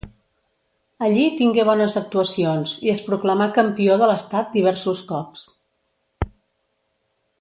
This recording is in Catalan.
Allí tingué bones actuacions i es proclamà campió de l'estat diversos cops.